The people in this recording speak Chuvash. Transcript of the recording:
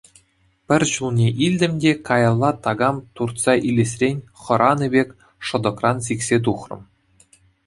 Пӗр чулне илтӗм те каялла такам туртса илесрен хӑранӑ пек шӑтӑкран сиксе тухрӑм.